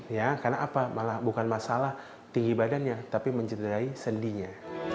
ya karena apa malah bukan masalah tinggi badannya tapi mencederai sendinya